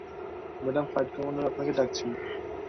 Madam, flight commander আপনাকে ডাকছেন।